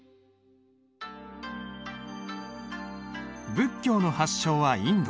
仏教の発祥はインド。